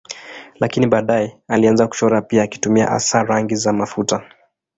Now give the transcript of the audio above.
Lakini baadaye alianza kuchora pia akitumia hasa rangi za mafuta.